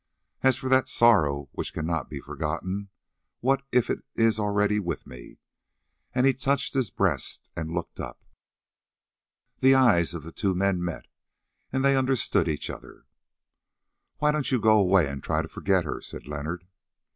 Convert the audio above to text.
As for that sorrow which cannot be forgotten, what if it is already with me?" And he touched his breast and looked up. The eyes of the two men met, and they understood each other. "Why don't you go away and try to forget her?" said Leonard.